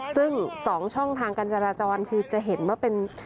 ซึ่ง๒ช่องทางการจราจรคือจะเห็นว่าเป็น